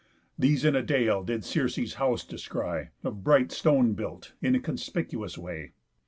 These in a dale did Circe's house descry, Of bright stone built, in a conspicuous way.